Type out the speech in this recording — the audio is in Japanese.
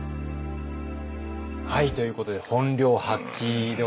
はいということで本領発揮でございますね。